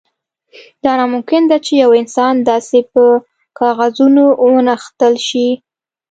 دا ناممکن ده چې یو انسان داسې په کاغذونو ونغښتل شي